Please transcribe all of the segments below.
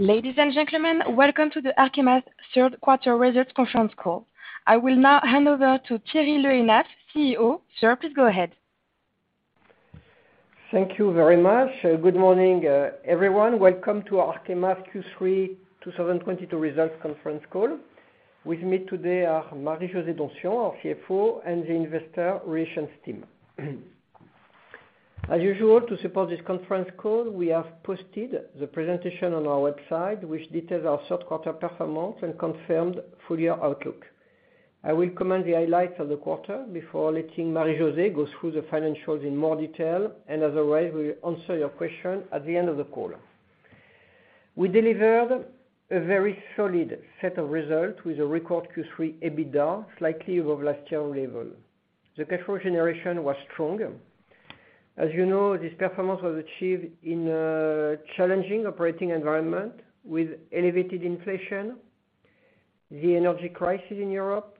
Ladies and gentlemen, welcome to Arkema's third quarter results conference call. I will now hand over to Thierry Le Hénaff, CEO. Sir, please go ahead. Thank you very much. Good morning, everyone. Welcome to Arkema Q3 2022 results conference call. With me today are Marie-José Donsion, our CFO, and the investor relations team. As usual, to support this conference call, we have posted the presentation on our website, which details our third quarter performance and confirmed full year outlook. I will comment the highlights of the quarter before letting Marie-José Donsion go through the financials in more detail, and as always, we will answer your question at the end of the call. We delivered a very solid set of results with a record Q3 EBITDA, slightly above last year level. The cash flow generation was strong. As you know, this performance was achieved in a challenging operating environment with elevated inflation, the energy crisis in Europe,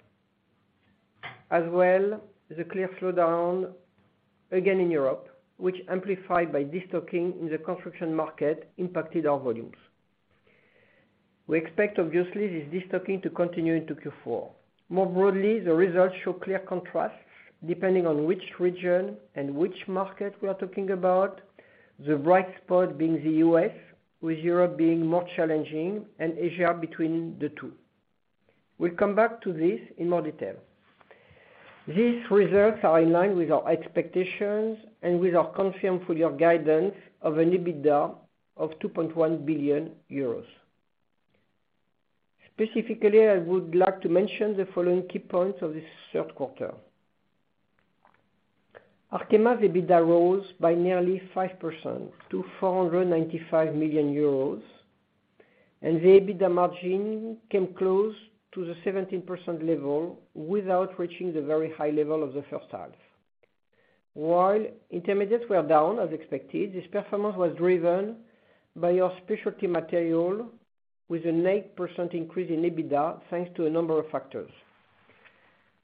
as well as the clear slowdown again in Europe, which was amplified by de-stocking in the construction market impacted our volumes. We expect, obviously, this de-stocking to continue into Q4. More broadly, the results show clear contrasts depending on which region and which market we are talking about. The bright spot being the US, with Europe being more challenging and Asia between the two. We'll come back to this in more detail. These results are in line with our expectations and with our confirmed full year guidance of an EBITDA of 2.1 billion euros. Specifically, I would like to mention the following key points of this third quarter. Arkema's EBITDA rose by nearly 5% to 495 million euros, and the EBITDA margin came close to the 17% level without reaching the very high level of the first half. While intermediates were down as expected, this performance was driven by our specialty material with an 8% increase in EBITDA, thanks to a number of factors.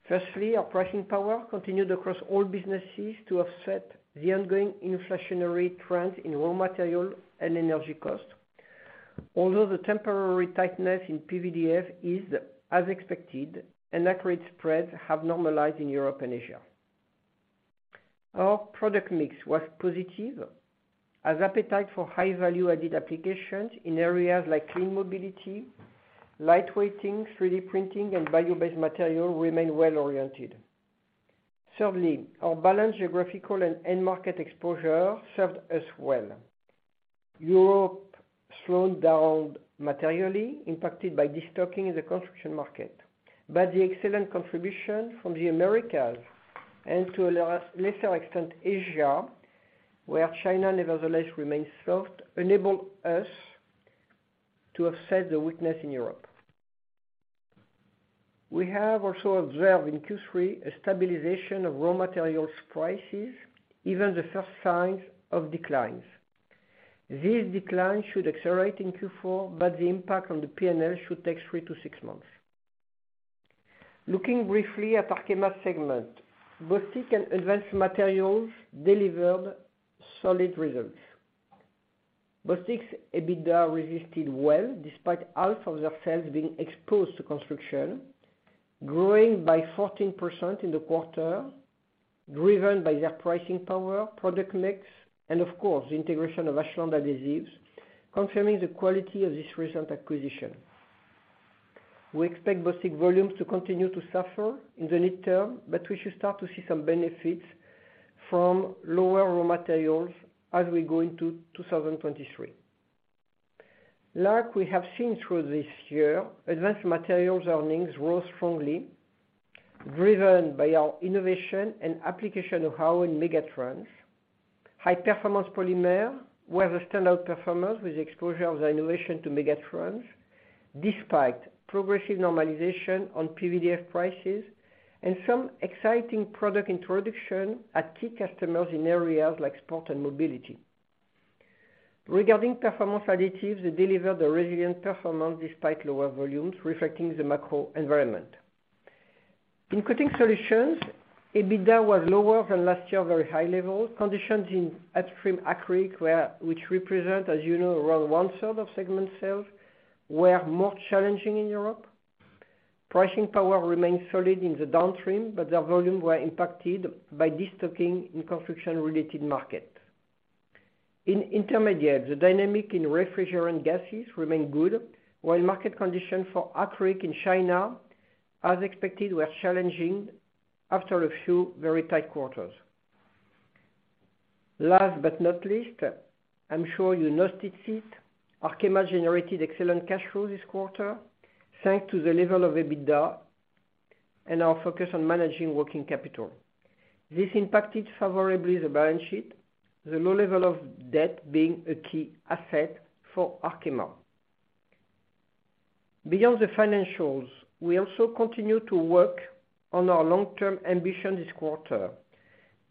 Firstly, our pricing power continued across all businesses to offset the ongoing inflationary trend in raw material and energy costs. Although the temporary tightness in PVDF is as expected, and acrylic spreads have normalized in Europe and Asia. Our product mix was positive as appetite for high value added applications in areas like clean mobility, lightweighting, 3D printing, and bio-based material remain well oriented. Thirdly, our balanced geographical and end market exposure served us well. Europe slowed down materially, impacted by de-stocking in the construction market. The excellent contribution from the Americas and to a lesser extent Asia, where China nevertheless remains soft, enabled us to offset the weakness in Europe. We have also observed in Q3 a stabilization of raw materials prices, even the first signs of declines. This decline should accelerate in Q4, but the impact on the P&L should take three to six months. Looking briefly at Arkema segment, Bostik and Advanced Materials delivered solid results. Bostik's EBITDA resisted well despite half of their sales being exposed to construction, growing by 14% in the quarter, driven by their pricing power, product mix, and of course, the integration of Ashland Adhesives, confirming the quality of this recent acquisition. We expect Bostik volumes to continue to suffer in the near term, but we should start to see some benefits from lower raw materials as we go into 2023. Like we have seen through this year, Advanced Materials earnings rose strongly, driven by our innovation and application of our own megatrends. High Performance Polymers was a standout performer with exposure of the innovation to megatrends, despite progressive normalization on PVDF prices and some exciting product introduction at key customers in areas like sport and mobility. Regarding Performance Additives, they delivered a resilient performance despite lower volumes, reflecting the macro environment. In Coating Solutions, EBITDA was lower than last year very high levels. Conditions in upstream acrylic, which represent, as you know, around one-third of segment sales, were more challenging in Europe. Pricing power remained solid in the downstream, but their volume were impacted by de-stocking in construction-related market. In Intermediates, the dynamic in refrigerant gases remained good, while market conditions for acrylic in China, as expected, were challenging after a few very tight quarters. Last but not least, I'm sure you noticed it, Arkema generated excellent cash flow this quarter, thanks to the level of EBITDA and our focus on managing working capital. This impacted favorably the balance sheet, the low level of debt being a key asset for Arkema. Beyond the financials, we also continue to work on our long-term ambition this quarter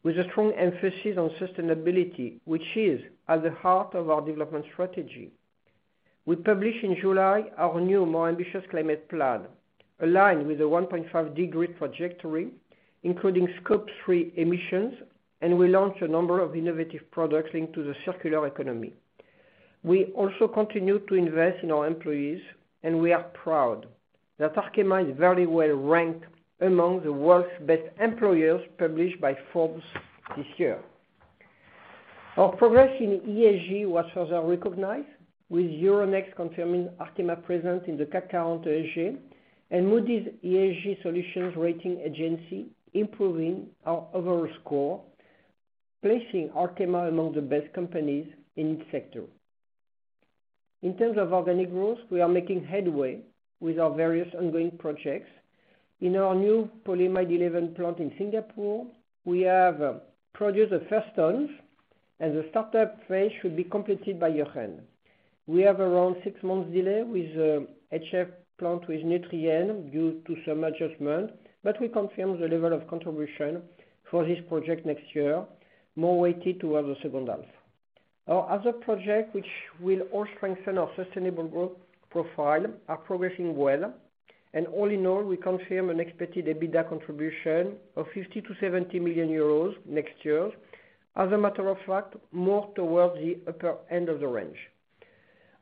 with a strong emphasis on sustainability, which is at the heart of our development strategy. We published in July our new, more ambitious climate plan, aligned with the 1.5-degree trajectory. Including Scope 3 emissions, and we launched a number of innovative products into the circular economy. We also continue to invest in our employees, and we are proud that Arkema is very well ranked among the World's Best Employers, published by Forbes this year. Our progress in ESG was further recognized with Euronext confirming Arkema presence in the CAC 40 ESG, and Moody's ESG Solutions rating agency improving our overall score, placing Arkema among the best companies in its sector. In terms of organic growth, we are making headway with our various ongoing projects. In our new Polyamide 11 plant in Singapore, we have produced the first tons, and the startup phase should be completed by year-end. We have around 6 months delay with the HF plant with Nutrien due to some adjustment, but we confirm the level of contribution for this project next year, more weighted towards the second half. Our other project, which will all strengthen our sustainable growth profile, are progressing well. All in all, we confirm an expected EBITDA contribution of 50 million-70 million euros next year. As a matter of fact, more towards the upper end of the range.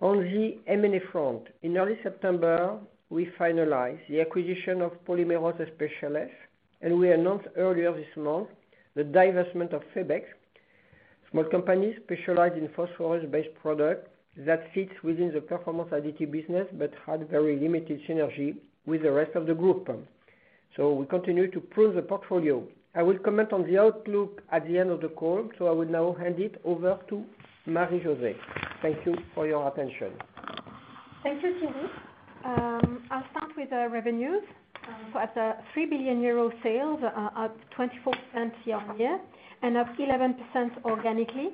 On the M&A front, in early September, we finalized the acquisition of Polímeros Especiales, and we announced earlier this month the divestment of Febex, small company specialized in phosphorus-based product that fits within the Performance Additives business but had very limited synergy with the rest of the group. We continue to prune the portfolio. I will comment on the outlook at the end of the call, so I will now hand it over to Marie-José. Thank you for your attention. Thank you, Thierry. I'll start with the revenues. At the 3 billion euro sales, up 24% year-on-year and up 11% organically,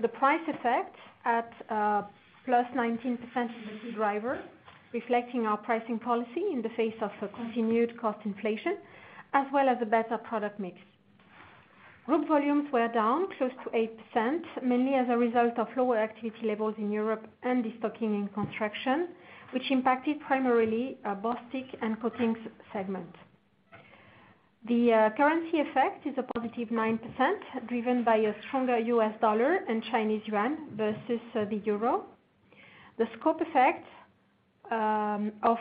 the price effect at +19% is the driver, reflecting our pricing policy in the face of continued cost inflation, as well as a better product mix. Group volumes were down close to 8%, mainly as a result of lower activity levels in Europe and destocking in construction, which impacted primarily Bostik and Coating Solutions segment. The currency effect is a positive 9%, driven by a stronger U.S. dollar and Chinese yuan versus the euro. The scope effect of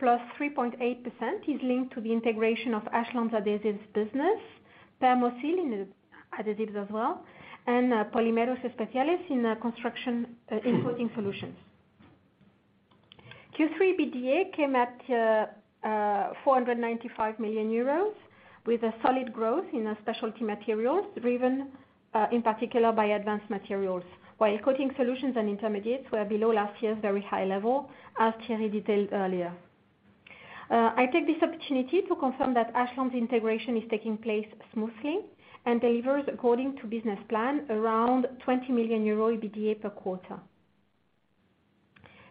+3.8% is linked to the integration of Ashland's adhesives business, Permoseal in Adhesives as well, and Polímeros Especiales in Construction, Coating Solutions. Q3 EBITDA came at 495 million euros, with a solid growth in our Specialty Materials, driven in particular by Advanced Materials. While Coating Solutions and Intermediates were below last year's very high level, as Thierry detailed earlier. I take this opportunity to confirm that Ashland's integration is taking place smoothly and delivers according to business plan, around 20 million euro EBITDA per quarter.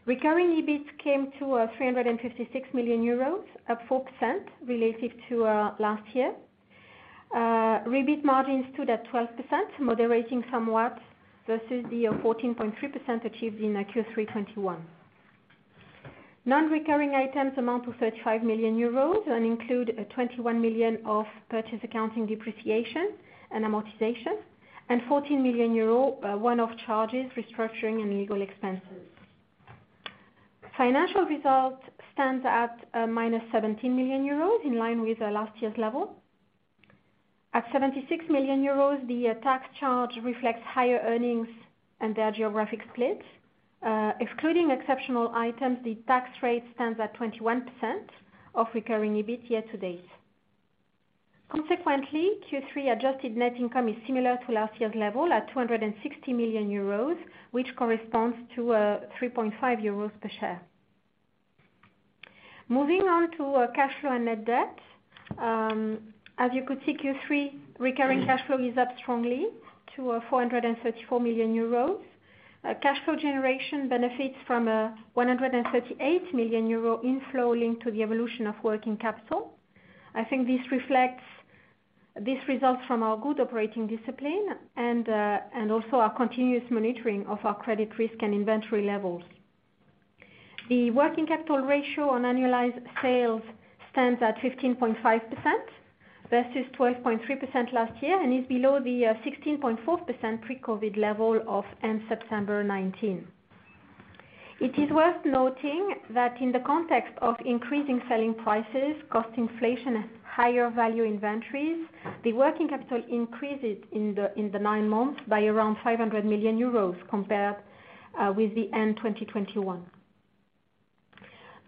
Recurring EBIT came to 356 million euros, up 4% relative to last year. EBIT margins stood at 12%, moderating somewhat versus the 14.3% achieved in Q3 2021. Non-recurring items amount to 35 million euros and include a 21 million of purchase accounting depreciation and amortization, and 14 million euros one-off charges, restructuring and legal expenses. Financial results stands at -17 million euros, in line with last year's level. At 76 million euros, the tax charge reflects higher earnings and their geographic split. Excluding exceptional items, the tax rate stands at 21% of recurring EBIT year to date. Consequently, Q3 adjusted net income is similar to last year's level at 260 million euros, which corresponds to 3.5 euros per share. Moving on to cash flow and net debt. As you could see, Q3 recurring cash flow is up strongly to 434 million euros. Cash flow generation benefits from 138 million euro inflow linked to the evolution of working capital. This results from our good operating discipline and also our continuous monitoring of our credit risk and inventory levels. The working capital ratio on annualized sales stands at 15.5% versus 12.3% last year and is below the 16.4% pre-COVID level of end September 2019. It is worth noting that in the context of increasing selling prices, cost inflation, and higher value inventories, the working capital increased in the nine months by around 500 million euros compared with the end 2021.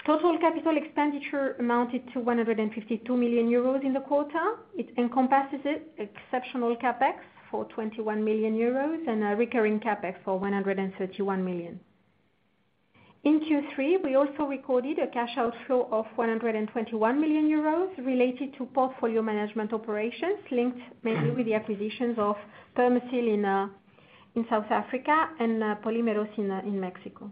Total capital expenditure amounted to 152 million euros in the quarter. It encompasses exceptional CapEx for 21 million euros and a recurring CapEx for 131 million. In Q3, we also recorded a cash outflow of 121 million euros related to portfolio management operations linked mainly with the acquisitions of Permoseal in South Africa and Polímeros in Mexico.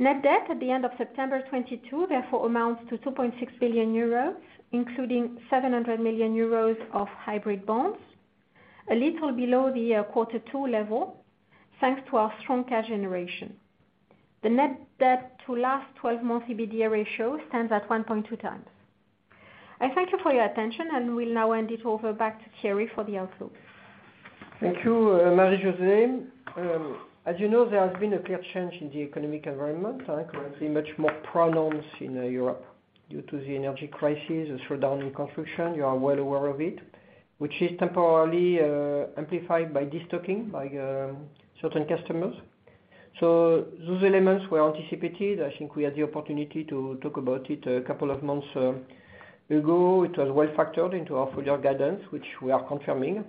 Net debt at the end of September 2022 therefore amounts to 2.6 billion euros, including 700 million euros of hybrid bonds, a little below the quarter two level, thanks to our strong cash generation. The net debt to last 12-month EBITDA ratio stands at 1.2 times. I thank you for your attention, and we'll now hand it over back to Thierry for the outlook. Thank you, Marie-José. As you know, there has been a clear change in the economic environment, like currently much more pronounced in Europe due to the energy crisis, a slowdown in construction. You are well aware of it, which is temporarily amplified by destocking by certain customers. Those elements were anticipated. I think we had the opportunity to talk about it a couple of months ago. It was well factored into our further guidance, which we are confirming,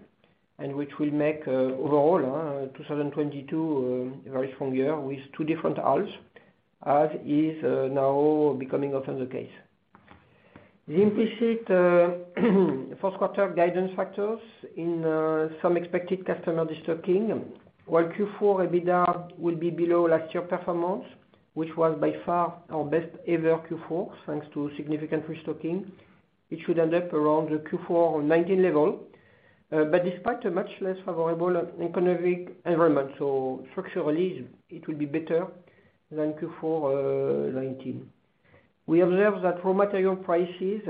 and which will make overall 2022 a very strong year with two different halves, as is now becoming often the case. The implicit fourth quarter guidance factors in some expected customer destocking. While Q4 EBITDA will be below last year performance, which was by far our best ever Q4, thanks to significant restocking, it should end up around the Q4 2019 level, but despite a much less favorable economic environment. Structurally it will be better than Q4 2019. We observe that raw material prices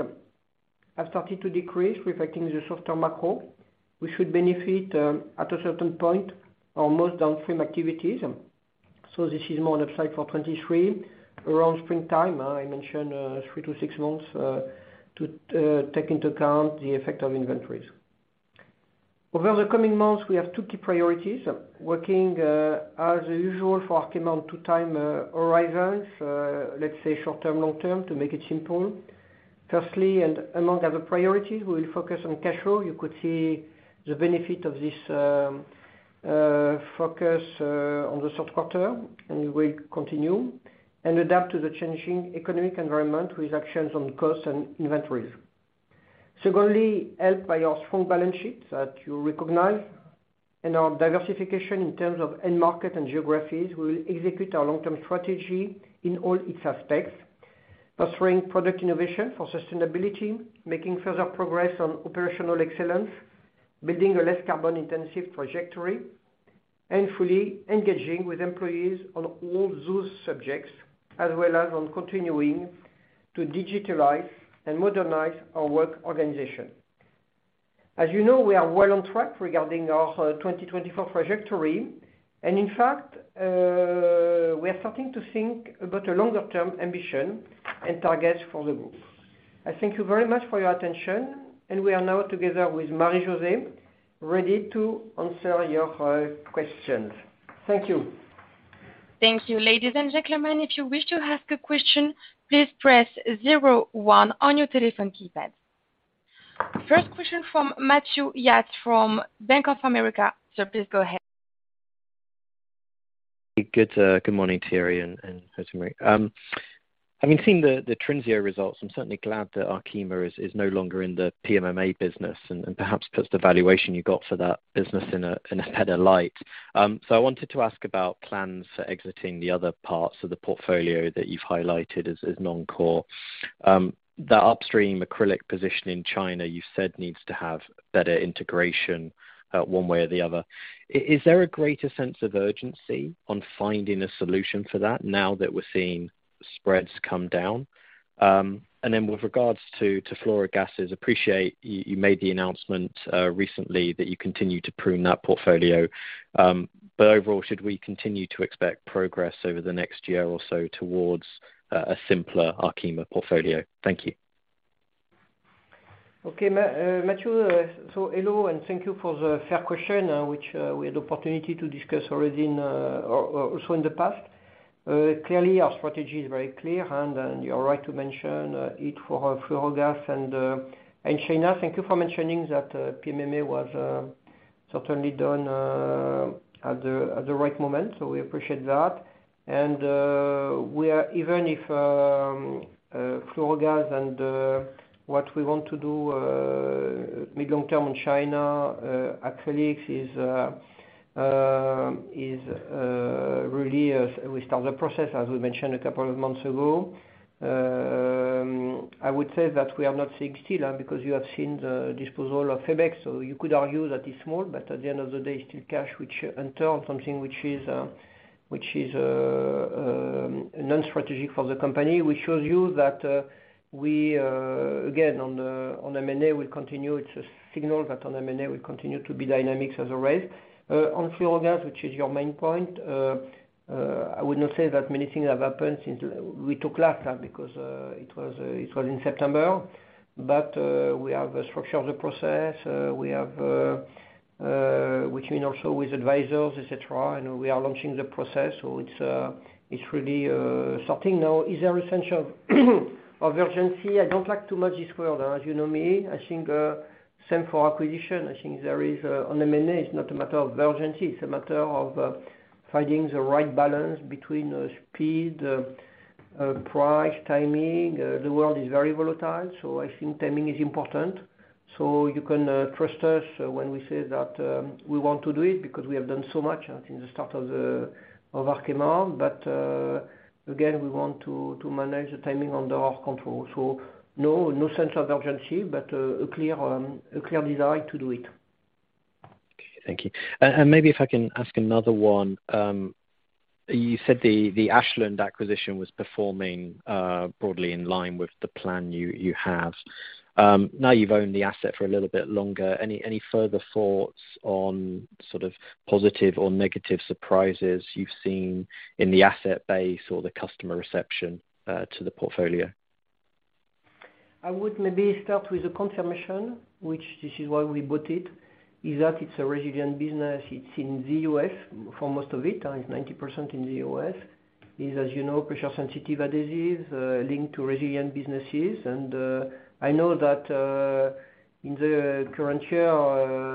have started to decrease, reflecting the softer macro. We should benefit at a certain point on most downstream activities. This is more upside for 2023 around springtime. I mentioned 3-6 months to take into account the effect of inventories. Over the coming months, we have two key priorities, working as usual for Arkema on two time horizons. Let's say short-term, long-term, to make it simple. Firstly, among other priorities, we will focus on cash flow. You could see the benefit of this focus on the third quarter, and we will continue and adapt to the changing economic environment with actions on costs and inventories. Secondly, helped by our strong balance sheet that you recognize and our diversification in terms of end market and geographies, we will execute our long-term strategy in all its aspects, pursuing product innovation for sustainability, making further progress on operational excellence, building a less carbon-intensive trajectory, and fully engaging with employees on all those subjects, as well as on continuing to digitalize and modernize our work organization. As you know, we are well on track regarding our 2024 trajectory, and in fact, we are starting to think about a longer term ambition and targets for the group. I thank you very much for your attention, and we are now together with Marie-José ready to answer your questions. Thank you. Thank you. Ladies and gentlemen, if you wish to ask a question, please press zero one on your telephone keypad. First question from Matthew Yates from Bank of America. Sir, please go ahead. Good morning, Thierry and Marie. Having seen the Trinseo results, I'm certainly glad that Arkema is no longer in the PMMA business and perhaps puts the valuation you got for that business in a better light. I wanted to ask about plans for exiting the other parts of the portfolio that you've highlighted as non-core. That upstream acrylic position in China you've said needs to have better integration, one way or the other. Is there a greater sense of urgency on finding a solution for that now that we're seeing spreads come down? Then with regards to fluorogases, appreciate you made the announcement recently that you continue to prune that portfolio. Overall, should we continue to expect progress over the next year or so towards a simpler Arkema portfolio? Thank you. Matthew, hello, and thank you for the fair question, which we had opportunity to discuss already also in the past. Clearly, our strategy is very clear, and you're right to mention it for our fluorogas and China. Thank you for mentioning that PMMA was certainly done at the right moment. We appreciate that. We are even if fluorogas and what we want to do medium term in China. Acrylics is really as we start the process, as we mentioned a couple of months ago. I would say that we are not fixed still, because you have seen the disposal of Febex. You could argue that it's small, but at the end of the day, still cash which in turn something which is non-strategic for the company, which shows you that we again on M&A will continue. It's a signal that on M&A will continue to be dynamic as always. On fluorogas, which is your main point, I would not say that many things have happened since we talked last time because it was in September. We have structured the process. We have, which means also with advisors, et cetera, and we are launching the process. It's really starting now. Is there a sense of urgency? I don't like too much this word. As you know me, I think same for acquisition. I think there is, on M&A, it's not a matter of urgency. It's a matter of, finding the right balance between, speed, price, timing. The world is very volatile, so I think timing is important. You can trust us when we say that we want to do it because we have done so much since the start of Arkema. Again, we want to manage the timing under our control. No sense of urgency, but a clear desire to do it. Thank you. Maybe if I can ask another one. You said the Ashland acquisition was performing broadly in line with the plan you have. Now you've owned the asset for a little bit longer, any further thoughts on sort of positive or negative surprises you've seen in the asset base or the customer reception to the portfolio? I would maybe start with a confirmation, which this is why we bought it, is that it's a resilient business. It's in the U.S. for most of it's 90% in the U.S. It is, as you know, pressure sensitive adhesives, linked to resilient businesses. I know that, in the current year,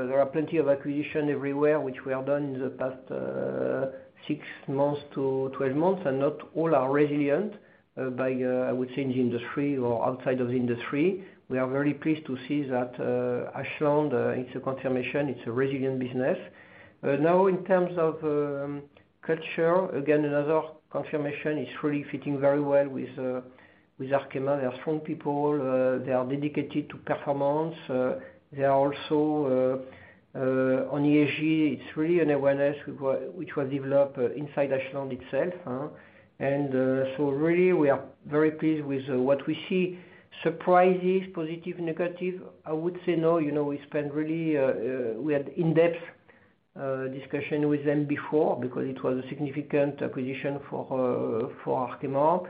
there are plenty of acquisitions everywhere, which we have done in the past six months to 12 months, and not all are resilient, but I would say, in the industry or outside of the industry. We are very pleased to see that, Ashland, it's a confirmation, it's a resilient business. Now, in terms of culture, again, another confirmation, it's really fitting very well with Arkema. They are strong people. They are dedicated to performance. They are also on ESG, it's really an awareness which was developed inside Ashland itself. Really we are very pleased with what we see. Surprises, positive, negative, I would say no. You know, we spent really, we had in-depth discussion with them before because it was a significant acquisition for Arkema.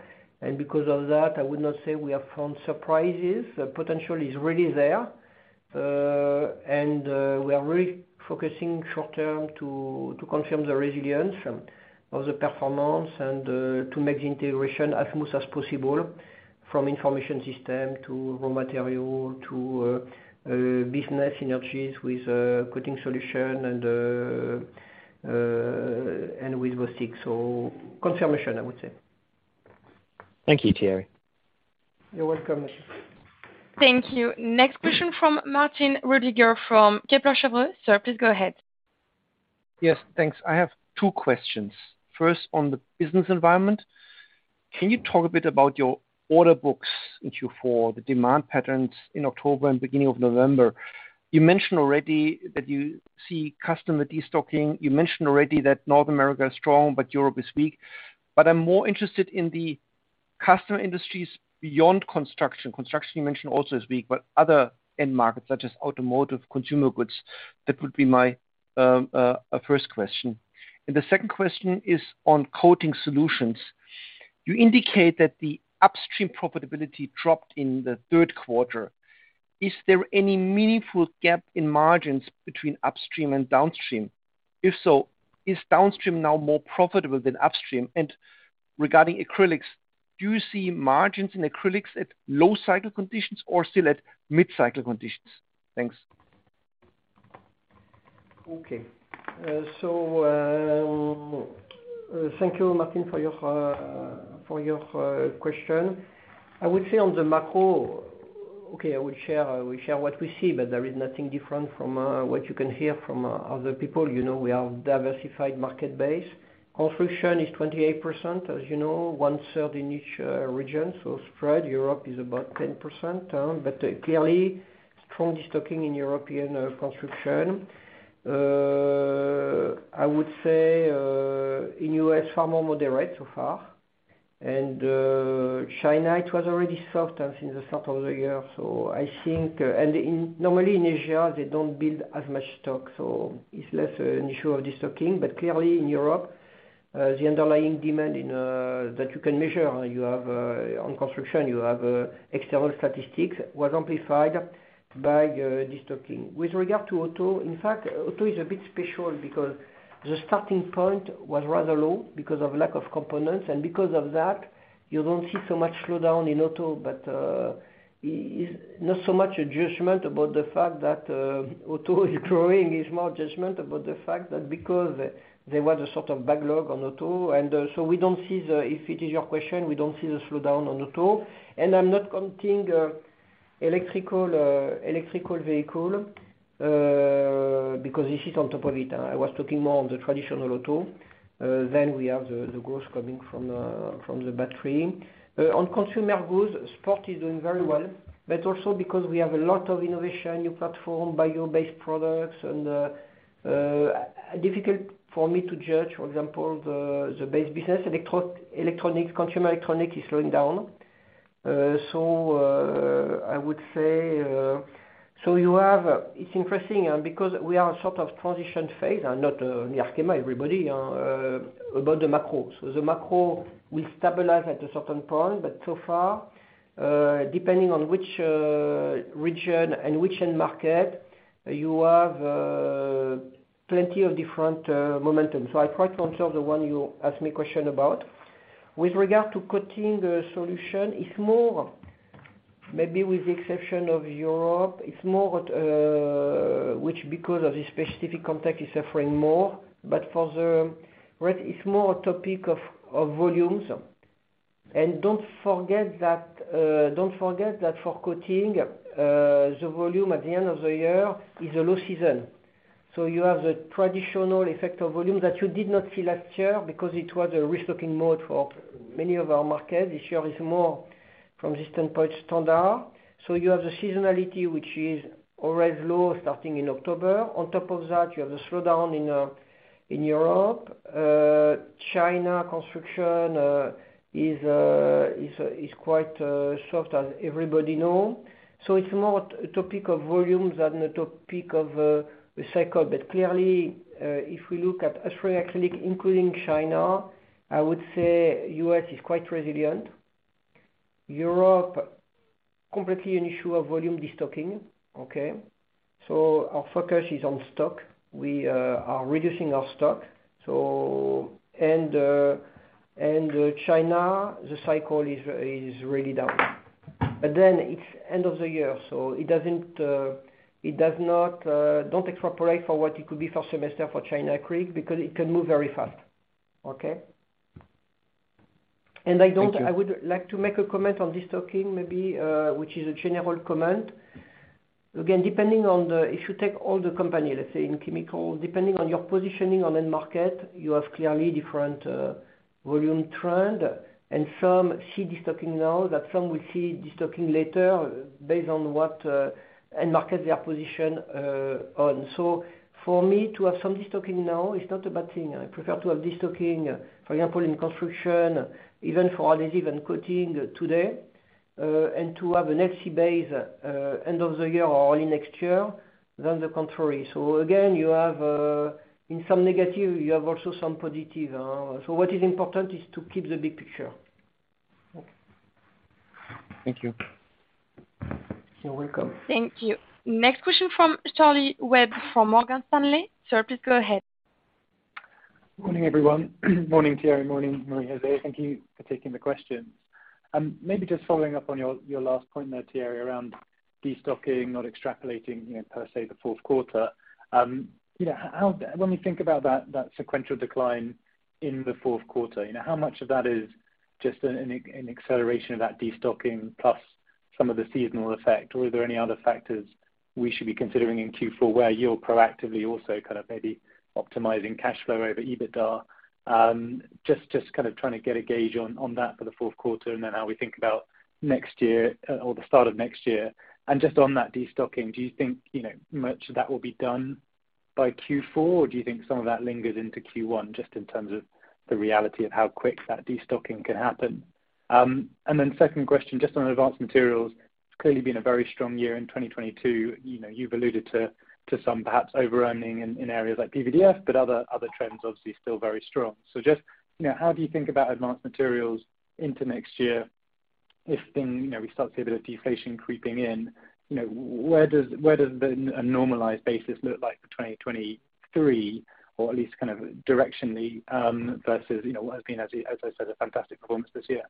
Because of that, I would not say we have found surprises. The potential is really there. We are really focusing short-term to confirm the resilience and all the performance and to make the integration as smooth as possible from information system to raw material to business synergies with Coating Solutions and with Bostik. Confirmation, I would say. Thank you, Thierry. You're welcome, Matthew. Thank you. Next question from Martin Roediger from Kepler Cheuvreux. Sir, please go ahead. Yes, thanks. I have two questions. First, on the business environment, can you talk a bit about your order books in Q4, the demand patterns in October and beginning of November? You mentioned already that you see customer destocking. You mentioned already that North America is strong, but Europe is weak. But I'm more interested in the customer industries beyond construction. Construction you mentioned also is weak, but other end markets such as automotive, consumer goods. That would be my first question. And the second question is on Coating Solutions. You indicate that the upstream profitability dropped in the third quarter. Is there any meaningful gap in margins between upstream and downstream? If so, is downstream now more profitable than upstream? And regarding acrylics, do you see margins in acrylics at low cycle conditions or still at mid-cycle conditions? Thanks. Okay, thank you, Martin, for your question. I would say on the macro. Okay, I will share what we see, but there is nothing different from what you can hear from other people. You know, we have diversified market base. Construction is 28%, as you know, 1/3 in each region, so spread. Europe is about 10%, but clearly strong destocking in European construction. I would say in U.S., far more moderate so far. China, it was already soft since the start of the year. I think normally in Asia, they don't build as much stock, so it's less an issue of destocking. Clearly in Europe, the underlying demand in that you can measure, you have on construction external statistics was amplified by destocking. With regard to auto, in fact, auto is a bit special because the starting point was rather low because of lack of components. Because of that, you don't see so much slowdown in auto. It's not so much a judgment about the fact that auto is growing. It's more judgment about the fact that because there was a sort of backlog on auto, so we don't see if it is your question, we don't see the slowdown on auto. I'm not counting electrical vehicle because this is on top of it. I was talking more on the traditional auto. We have the growth coming from the battery. On consumer goods, sport is doing very well, but also because we have a lot of innovation, new platform, bio-based products, difficult for me to judge, for example, the base business. Electronics, consumer electronics is slowing down. I would say, you have. It's interesting, because we are in sort of transition phase, and not only Arkema, everybody about the macro. The macro will stabilize at a certain point, but so far, depending on which region and which end market, you have plenty of different momentum. I try to answer the one you asked me a question about. With regard to Coating Solutions, it's more maybe with the exception of Europe, it's more, which because of the specific context is suffering more. For the rest, it's more a topic of volumes. Don't forget that for Coating Solutions, the volume at the end of the year is a low season. You have the traditional effect of volume that you did not see last year because it was a restocking mode for many of our markets. This year is more from this standpoint standard. You have the seasonality, which is always low starting in October. On top of that, you have the slowdown in Europe. China construction is quite soft as everybody know. It's more a topic of volumes than a topic of the cycle. Clearly, if we look at acrylic, including China, I would say U.S. is quite resilient. Europe, completely an issue of volume destocking, okay? Our focus is on stock. We are reducing our stock. China, the cycle is really down. Then it's the end of the year, so it does not. Don't extrapolate for what it could be first semester for China acrylic because it can move very fast, okay? Thank you. I would like to make a comment on destocking maybe, which is a general comment. Again, if you take all the company, let's say in chemical, depending on your positioning on end market, you have clearly different volume trend. Some see destocking now, and some will see destocking later based on what end market they are positioned on. For me to have some destocking now is not a bad thing. I prefer to have destocking, for example, in construction, even for adhesive and coating today, and to have a healthy base end of the year or early next year than the contrary. Again, you have in some negative, you have also some positive. What is important is to keep the big picture. Okay. Thank you. You're welcome. Thank you. Next question from Charles Webb from Morgan Stanley. Sir, please go ahead. Morning, everyone. Morning, Thierry. Morning, Marie-José. Thank you for taking the questions. Maybe just following up on your last point there, Thierry, around destocking, not extrapolating, you know, per se the fourth quarter. You know, when we think about that sequential decline in the fourth quarter, you know, how much of that is just an acceleration of that destocking plus some of the seasonal effect? Or are there any other factors we should be considering in Q4 where you're proactively also kind of maybe optimizing cash flow over EBITDA? Just kind of trying to get a gauge on that for the fourth quarter and then how we think about next year or the start of next year. Just on that destocking, do you think you know much of that will be done by Q4, or do you think some of that lingers into Q1 just in terms of the reality of how quick that destocking can happen? Second question, just on Advanced Materials. It's clearly been a very strong year in 2022. You know, you've alluded to some perhaps overearning in areas like PVDF, but other trends obviously still very strong. Just, you know, how do you think about Advanced Materials into next year if then, you know, we start to see a bit of deflation creeping in? You know, where does a normalized basis look like for 2023, or at least kind of directionally versus, you know, what has been, as I said, a fantastic performance this year?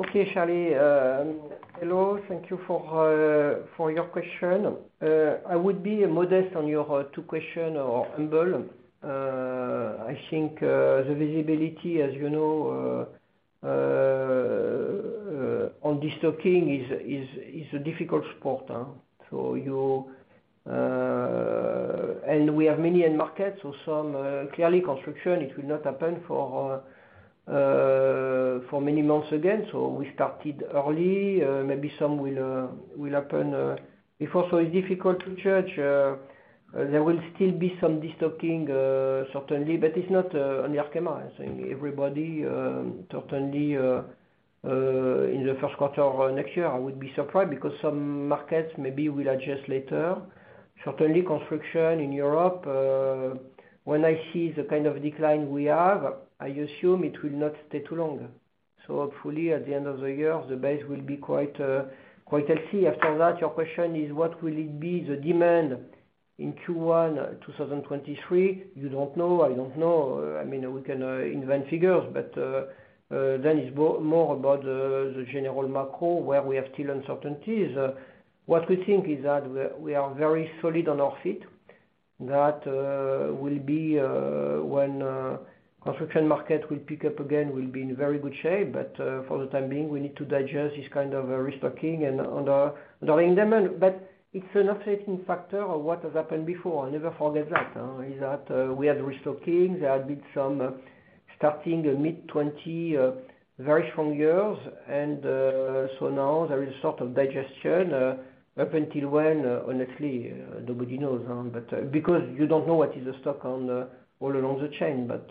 Okay, Charles. Hello. Thank you for your question. I would be modest on your two questions or humble. I think the visibility, as you know, on destocking is a difficult spot, huh? We have many end markets or some clearly construction, it will not happen for many months again. We started early. Maybe some will happen before. It's difficult to judge. There will still be some destocking, certainly, but it's not only Arkema. I think everybody certainly in the first quarter of next year, I would be surprised because some markets maybe will adjust later. Certainly, construction in Europe, when I see the kind of decline we have, I assume it will not stay too long. Hopefully, at the end of the year, the base will be quite healthy. After that, your question is what will the demand be in Q1 2023? You don't know. I don't know. I mean, we can invent figures, but then it's more about the general macro where we have still uncertainties. What we think is that we are very solid on our feet. That will be when construction market will pick up again, we'll be in very good shape. For the time being, we need to digest this kind of restocking and underlying demand. It's an offsetting factor of what has happened before. I never forget that we had restocking. There had been some starting mid twenty very strong years. Now there is sort of digestion up until when, honestly, nobody knows. But because you don't know what is the stocking all along the chain. But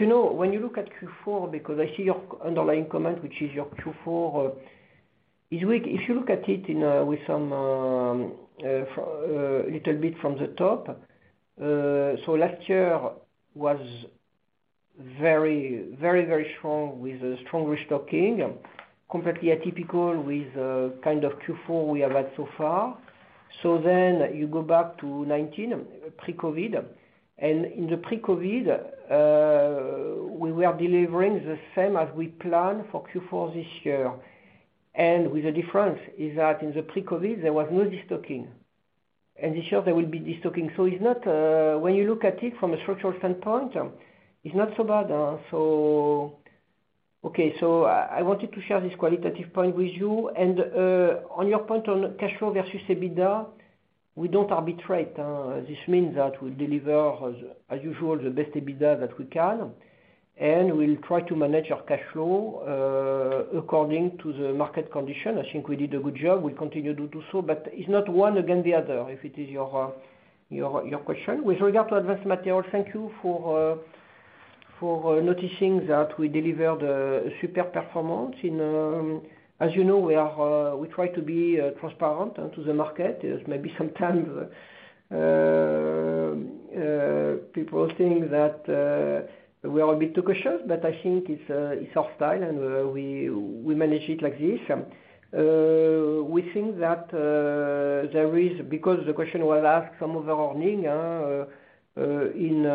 you know, when you look at Q4, because I see your underlying comment, which is your Q4 is weak. If you look at it with some little bit from the top, so last year was very strong with a strong restocking, completely atypical with the kind of Q4 we have had so far. Then you go back to 2019, pre-COVID. In the pre-COVID, we were delivering the same as we planned for Q4 this year. With the difference is that in the pre-COVID, there was no destocking. This year there will be destocking. so bad when you look at it from a structural standpoint. I wanted to share this qualitative point with you. On your point on cash flow versus EBITDA, we don't arbitrate. This means that we deliver, as usual, the best EBITDA that we can. We'll try to manage our cash flow according to the market condition. I think we did a good job. We continue to do so, but it's not one against the other, if it is your question. With regard to Advanced Materials, thank you for noticing that we delivered a super performance in. As you know, we try to be transparent to the market. Yes, maybe sometimes people think that we are a bit too cautious, but I think it's our style, and we manage it like this. We think that, because the question was asked some other earnings in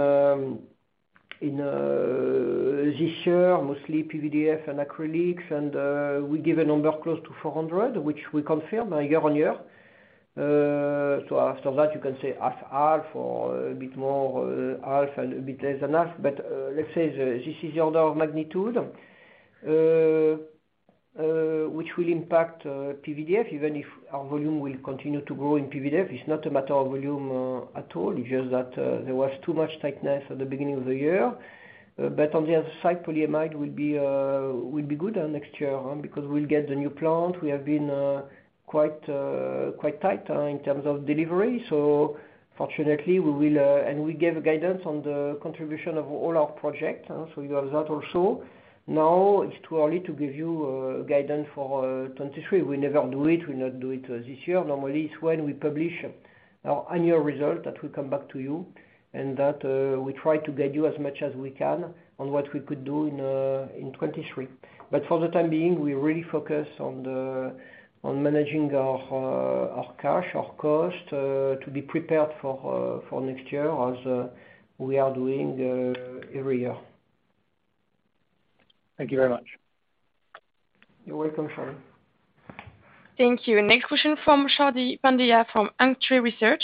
this year, mostly PVDF and acrylics, and we give a number close to 400, which we confirm year-over-year. After that, you can say half or a bit more half and a bit less than half. Let's say this is the order of magnitude which will impact PVDF, even if our volume will continue to grow in PVDF. It's not a matter of volume at all. It's just that there was too much tightness at the beginning of the year. On the other side, polyamide will be good next year because we'll get the new plant. We have been quite tight in terms of delivery. Fortunately, we will and we gave a guidance on the contribution of all our projects. You have that also. Now, it's too early to give you guidance for 2023. We never do it. We not do it this year. Normally, it's when we publish our annual result that we come back to you and that we try to guide you as much as we can on what we could do in 2023. For the time being, we really focus on managing our cash, our cost to be prepared for next year as we are doing every year. Thank you very much. You're welcome, Charles. Thank you. Next question from Jaideep Pandya from On Field Investment Research.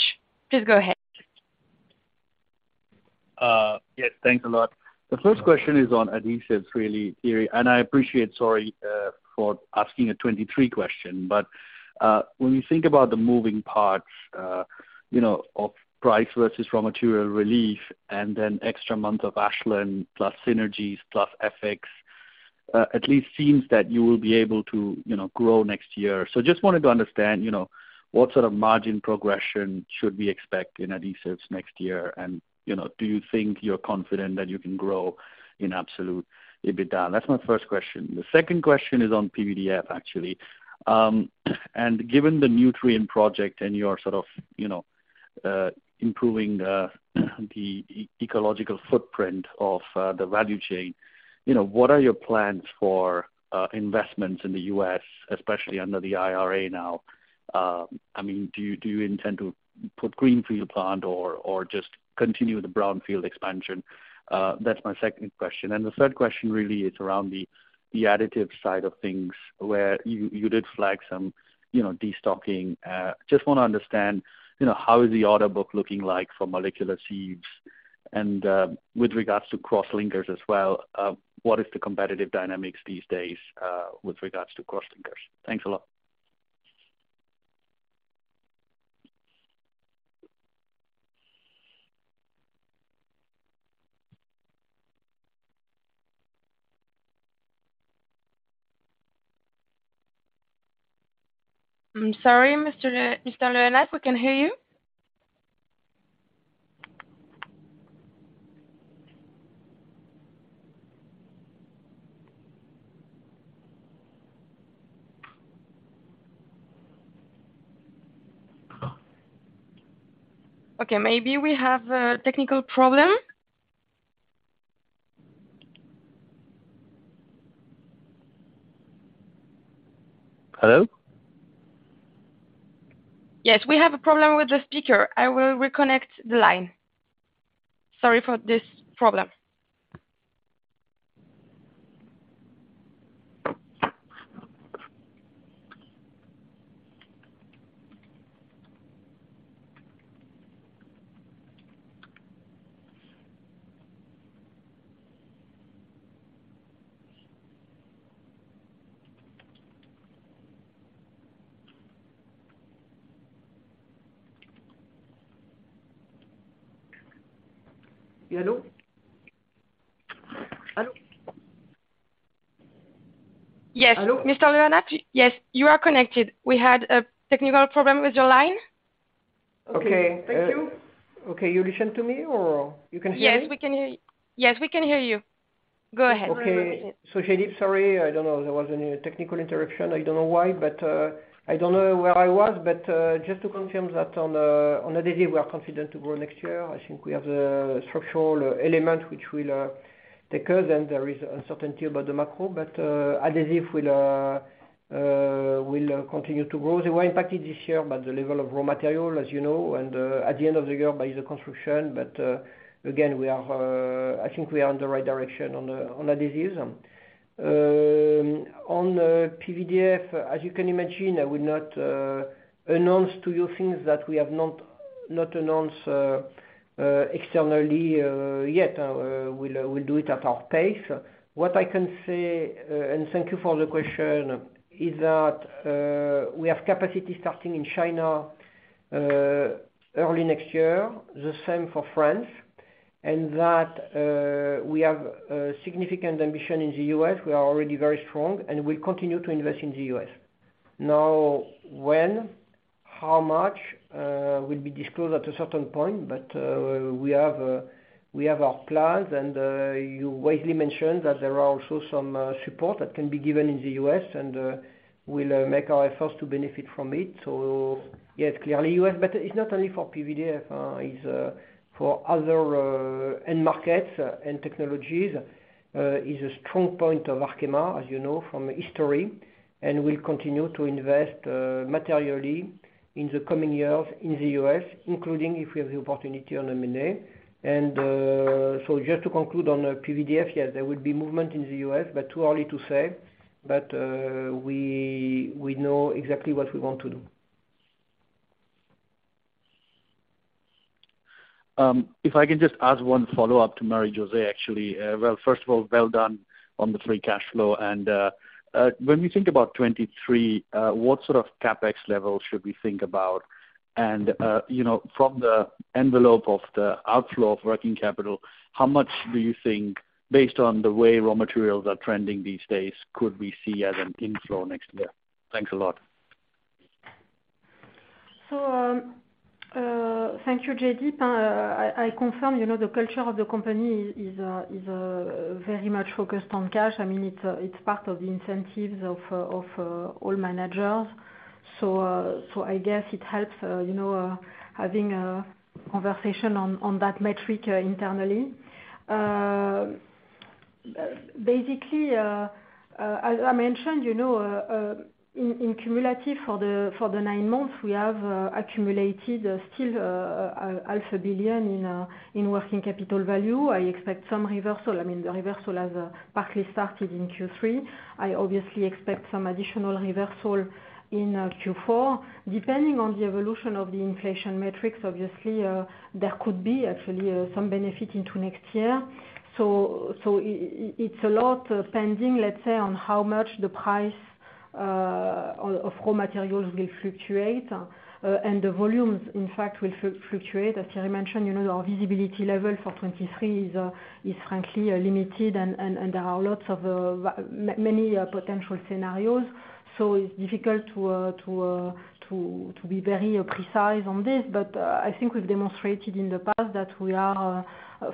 Please go ahead. Yes, thanks a lot. The first question is on adhesives, really, Thierry. I appreciate, sorry, for asking a 2023 question, but when you think about the moving parts, you know, of price versus raw material relief and then extra month of Ashland plus synergies plus FX, it at least seems that you will be able to, you know, grow next year. Just wanted to understand, you know, what sort of margin progression should we expect in adhesives next year? You know, do you think you're confident that you can grow in absolute EBITDA? That's my first question. The second question is on PVDF, actually. Given the Nutrien project and your sort of, you know, improving the ecological footprint of the value chain, you know, what are your plans for investments in the US, especially under the IRA now? I mean, do you intend to build a greenfield plant or just continue the brownfield expansion? That's my second question. The third question really is around the additive side of things where you did flag some, you know, destocking. Just wanna understand, you know, how is the order book looking like for molecular sieves? And with regards to crosslinkers as well, what is the competitive dynamics these days with regards to crosslinkers? Thanks a lot. I'm sorry, Mr. Le Hénaff, we can't hear you. Okay, maybe we have a technical problem. Hello? Yes, we have a problem with the speaker. I will reconnect the line. Sorry for this problem. Hello? Hello? Yes. Hello? Mr. Le Hénaff? Yes, you are connected. We had a technical problem with your line. Okay. Thank you. Okay, you listen to me or you can hear me? Yes, we can hear you. Go ahead. Okay. Jaideep, sorry. I don't know if there was any technical interruption. I don't know why, but I don't know where I was. Just to confirm that on adhesive, we are confident to grow next year. I think we have the structural element which will take us. And there is uncertainty about the macro, but adhesive will continue to grow. They were impacted this year by the level of raw material, as you know, and at the end of the year by the construction. Again, we are, I think we are on the right direction on adhesive. On PVDF, as you can imagine, I will not announce to you things that we have not announced externally yet. We'll do it at our pace. What I can say, and thank you for the question, is that we have capacity starting in China early next year. The same for France. We have a significant ambition in the U.S. We are already very strong, and we continue to invest in the U.S. Now, when, how much will be disclosed at a certain point, but we have our plans. You wisely mentioned that there are also some support that can be given in the U.S., and we'll make our efforts to benefit from it. Yes, clearly U.S., but it's not only for PVDF, it's for other end markets and technologies. It's a strong point of Arkema, as you know, from history, and we'll continue to invest materially in the coming years in the US, including if we have the opportunity on M&A. Just to conclude on PVDF, yes, there will be movement in the US, but too early to say. We know exactly what we want to do. If I can just ask one follow-up to Marie-José actually. Well, first of all, well done on the free cash flow. When we think about 2023, what sort of CapEx levels should we think about? You know, from the envelope of the outflow of working capital, how much do you think, based on the way raw materials are trending these days, could we see as an inflow next year? Thanks a lot. Thank you, Jaideep. I confirm, you know, the culture of the company is very much focused on cash. I mean, it's part of the incentives of all managers. I guess it helps, you know, having a conversation on that metric internally. Basically, as I mentioned, you know, in cumulative for the nine months, we have accumulated still EUR half a billion in working capital value. I expect some reversal. I mean, the reversal has partly started in Q3. I obviously expect some additional reversal in Q4. Depending on the evolution of the inflation metrics, obviously, there could be actually some benefit into next year. It's a lot depending, let's say, on how much the price of raw materials will fluctuate. And the volumes, in fact, will fluctuate. As Thierry mentioned, you know, our visibility level for 2023 is frankly limited, and there are lots of many potential scenarios. It's difficult to be very precise on this. I think we've demonstrated in the past that we are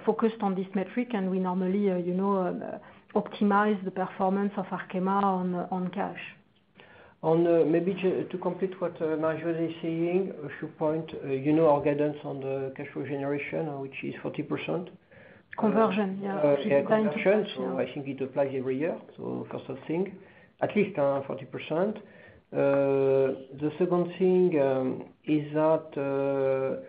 focused on this metric, and we normally, you know, optimize the performance of Arkema on cash. Maybe to complete what Marie-José is saying, a few points. You know, our guidance on the cash flow generation, which is 40%. Conversion, yeah. Yeah, conversion. I think it applies every year. First thing, at least, 40%. The second thing is that,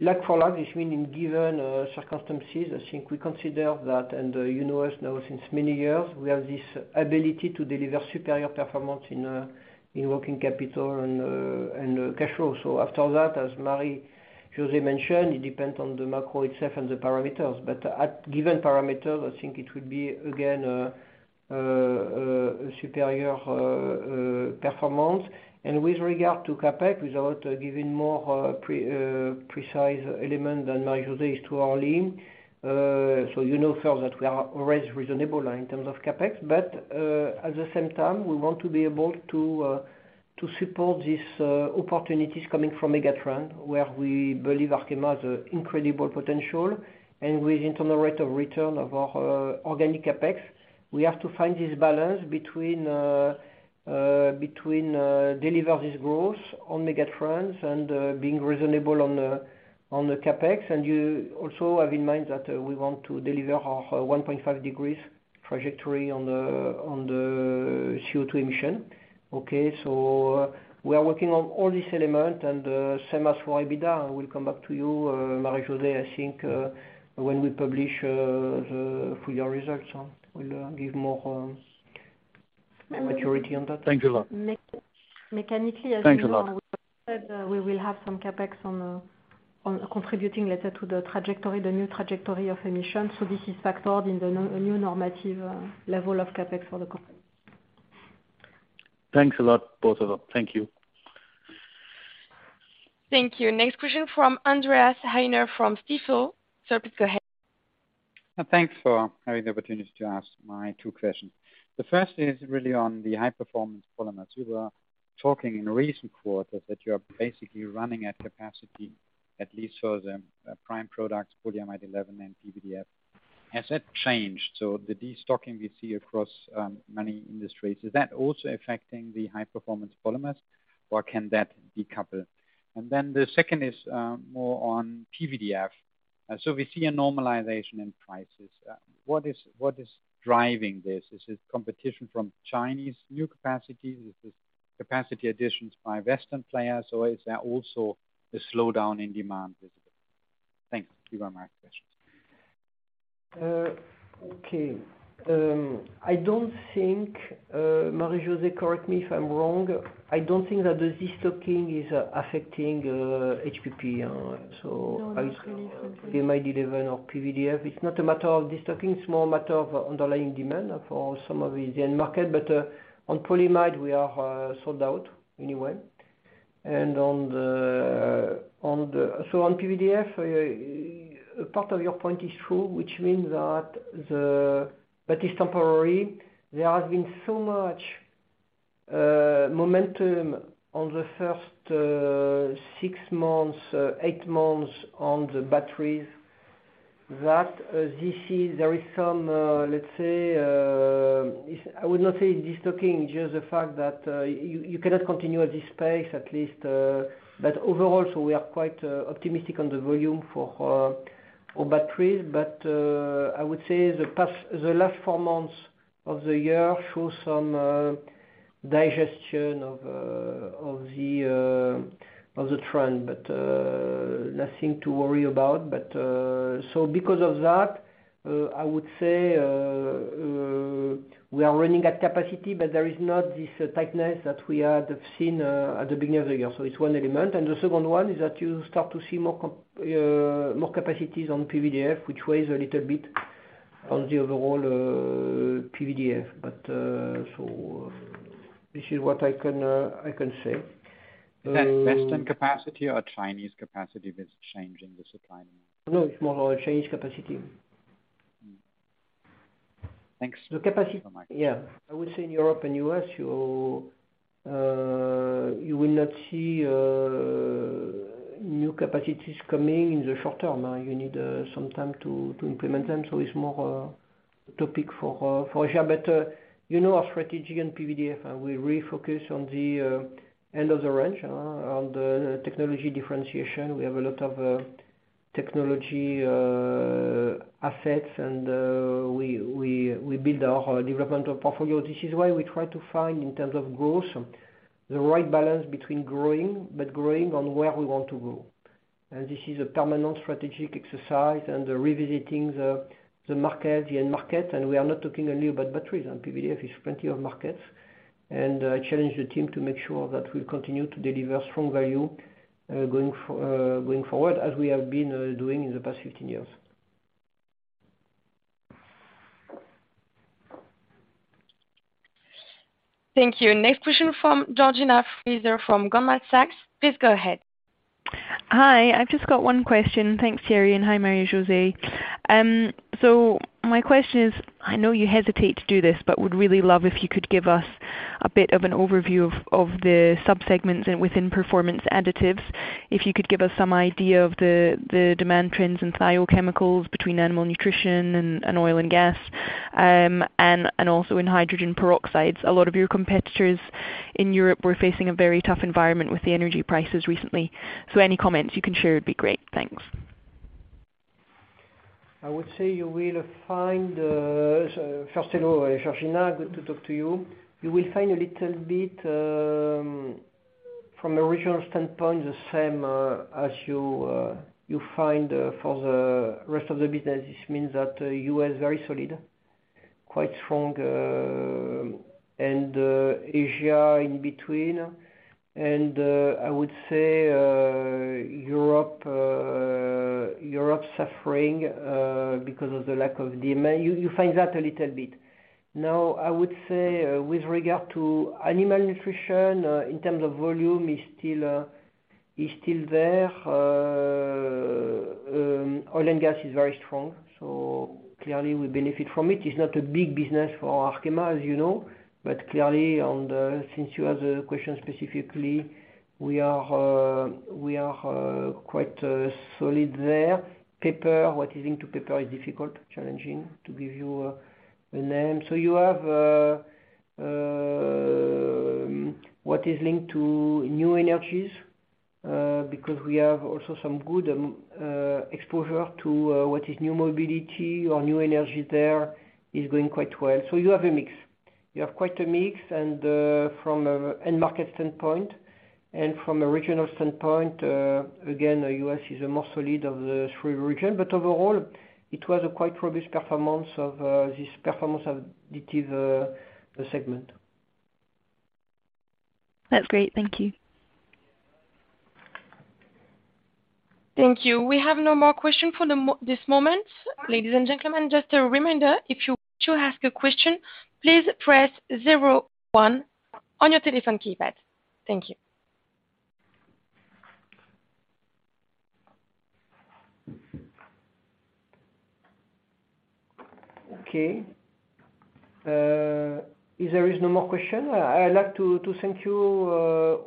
like for like, this meaning given circumstances, I think we consider that, and you know us now since many years, we have this ability to deliver superior performance in working capital and cash flow. After that, as Marie-José mentioned, it depends on the macro itself and the parameters. At given parameters, I think it would be again superior performance. With regard to CapEx, without giving more precise element than Marie-José is too early. You know first that we are always reasonable in terms of CapEx. At the same time, we want to be able to support these opportunities coming from megatrends, where we believe Arkema has an incredible potential. With internal rate of return of our organic CapEx, we have to find this balance between deliver this growth on megatrends and being reasonable on the CapEx. You also have in mind that we want to deliver our 1.5 degrees trajectory on the CO2 emission. Okay? We are working on all these elements and same as for EBITDA, we'll come back to you, Marie-José, I think, when we publish the full-year results, we'll give more maturity on that. Thank you a lot. Mechanically, as you know. Thanks a lot. We will have some CapEx on contributing, let's say, to the trajectory, the new trajectory of emissions. This is factored in the new normative level of CapEx for the company. Thanks a lot, both of you. Thank you. Thank you. Next question from Andreas Heine from Stifel. Sir, please go ahead. Thanks for having the opportunity to ask my two questions. The first is really on the High Performance Polymers. You were talking in recent quarters that you're basically running at capacity, at least for the prime products, Polyamide 11 and PVDF. Has that changed? The destocking we see across many industries, is that also affecting the High Performance Polymers, or can that decouple? Then the second is more on PVDF. We see a normalization in prices. What is driving this? Is it competition from Chinese new capacity? Is this capacity additions by Western players? Or is there also a slowdown in demand visible? Thank you. Those are my questions. Okay. I don't think, Marie-José, correct me if I'm wrong. I don't think that the destocking is affecting HPP. So- No, that's really good point. You might deliver on PVDF. It's not a matter of destocking, it's more a matter of underlying demand for some of the end market. On polyamide we are sold out anyway. On PVDF, part of your point is true, which means that the. It's temporary. There has been so much momentum on the first six months, eight months on the batteries that there is some, let's say, I would not say destocking, just the fact that you cannot continue at this pace, at least. Overall, we are quite optimistic on the volume for our batteries. I would say the last four months of the year show some digestion of the trend. Nothing to worry about. Because of that, I would say, we are running at capacity, but there is not this tightness that we had seen at the beginning of the year. It's one element. The second one is that you start to see more capacities on PVDF, which weighs a little bit on the overall PVDF. This is what I can say. Is that Western capacity or Chinese capacity that's changing the supply now? No, it's more Chinese capacity. Thanks so much. Yeah, I would say in Europe and U.S., you will not see new capacities coming in the short term. You need some time to implement them, so it's more a topic for sure. You know, our strategy in PVDF, and we really focus on the end of the range on the technology differentiation. We have a lot of technology assets, and we build our development of portfolio. This is why we try to find, in terms of growth, the right balance between growing, but growing on where we want to go. This is a permanent strategic exercise and revisiting the market, the end market. We are not talking only about batteries, in PVDF is plenty of markets. I challenge the team to make sure that we continue to deliver strong value, going forward, as we have been doing in the past 15 years. Thank you. Next question from Georgina Fraser from Goldman Sachs. Please go ahead. Hi. I've just got one question. Thanks, Thierry. Hi, Marie-José. My question is, I know you hesitate to do this, but would really love if you could give us a bit of an overview of the sub-segments within Performance Additives. If you could give us some idea of the demand trends in thiochemicals between animal nutrition and oil and gas. And also in hydrogen peroxides. A lot of your competitors in Europe were facing a very tough environment with the energy prices recently. Any comments you can share would be great. Thanks. I would say you will find, so first of all, Georgina, good to talk to you. You will find a little bit, from a regional standpoint, the same, as you find for the rest of the business. This means that U.S., very solid, quite strong, and Asia in between. I would say Europe suffering because of the lack of demand. You find that a little bit. Now, I would say with regard to animal nutrition, in terms of volume is still there. Oil and gas is very strong, so clearly we benefit from it. It's not a big business for Arkema, as you know. Clearly, since you asked the question specifically, we are quite solid there. Paper, what is linked to paper is difficult, challenging to give you a name. You have what is linked to new energies, because we have also some good exposure to what is new mobility or new energy there is going quite well. You have a mix. You have quite a mix. From an end market standpoint and from a regional standpoint, again, U.S. is the more solid of the three region. Overall, it was a quite robust performance of this Performance Additives segment. That's great. Thank you. Thank you. We have no more question for this moment. Ladies and gentlemen, just a reminder, if you wish to ask a question, please press zero one on your telephone keypad. Thank you. Okay. If there is no more question, I'd like to thank you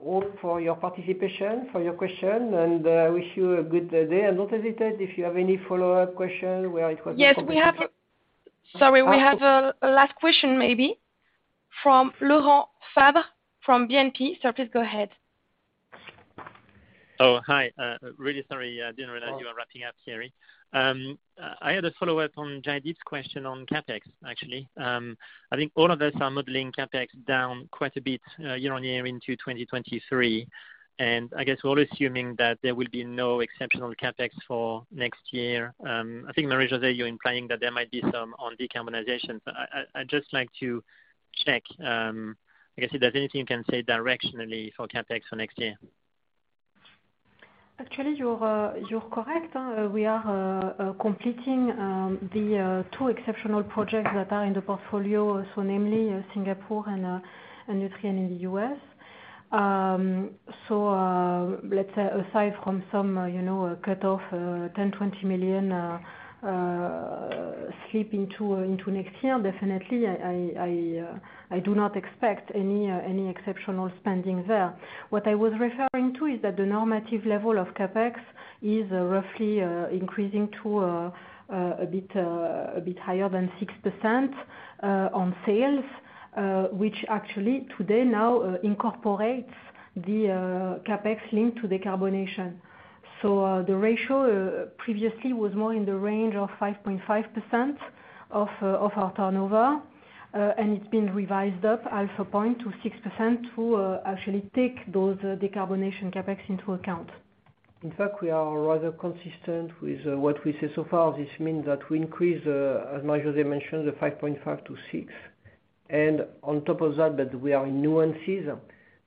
all for your participation, for your question, and I wish you a good day. Don't hesitate if you have any follow-up question where it was- Sorry, we have a last question maybe from Laurent Favre from BNP. Sir, please go ahead. Really sorry, I didn't realize you were wrapping up, Thierry. I had a follow-up on Jaideep's question on CapEx, actually. I think all of us are modeling CapEx down quite a bit year-on-year into 2023, and I guess we're all assuming that there will be no exceptional CapEx for next year. I think Marie-José, you're implying that there might be some on decarbonization. I'd just like to check, I guess if there's anything you can say directionally for CapEx for next year. Actually, you're correct. We are completing the 2 exceptional projects that are in the portfolio, so namely Singapore and Nutrien in the U.S. Let's say aside from some, you know, cut off EUR 10-20 million slip into next year, definitely I do not expect any exceptional spending there. What I was referring to is that the normative level of CapEx is roughly increasing to a bit higher than 6% on sales, which actually today now incorporates the CapEx linked to decarbonation. The ratio previously was more in the range of 5.5% of our turnover, and it's been revised up half a point to 6% to actually take those decarbonization CapEx into account. In fact, we are rather consistent with what we say so far. This means that we increase, as Marie-José mentioned, the 5.5-6. On top of that, we are in nuances.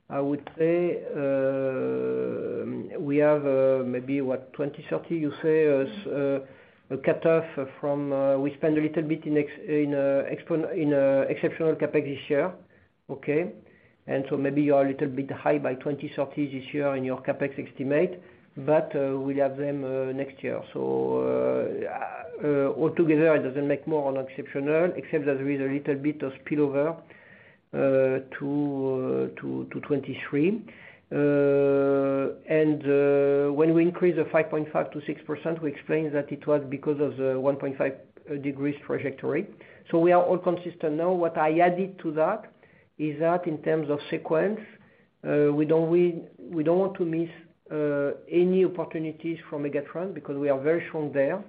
I would say, we have maybe 2030 you say as a cutoff from we spend a little bit in exceptional CapEx this year, okay? Maybe you are a little bit high by 2030 this year in your CapEx estimate, but we'll have them next year. All together, it doesn't make more on exceptional, except that there is a little bit of spillover to 2023. When we increase the 5.5-6%, we explained that it was because of the 1.5 degrees trajectory. We are all consistent. Now, what I added to that is that in terms of sequence, we don't want to miss any opportunities from megatrends because we are very strong there.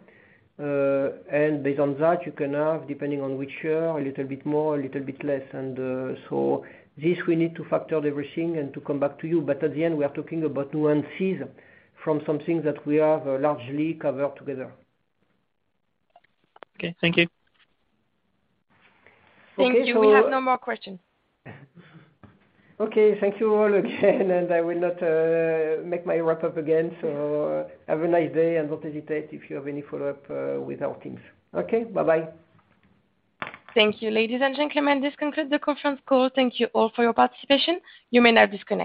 Based on that, you can have, depending on which year, a little bit more, a little bit less. This we need to factor everything and to come back to you. At the end, we are talking about nuances from something that we have largely covered together. Okay. Thank you. Thank you. We have no more questions. Okay. Thank you all again and I will not make my wrap up again. Have a nice day, and don't hesitate if you have any follow-up with our teams. Okay. Bye-bye. Thank you, ladies and gentlemen, this concludes the conference call. Thank you all for your participation. You may now disconnect.